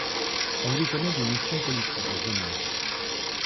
On lui connait des missions politiques à Genève.